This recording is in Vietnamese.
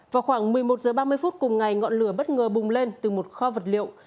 vào khoảng một mươi một h ba mươi phút cùng ngày ngọn lửa bất ngờ bùng lên từ một kho vật liệu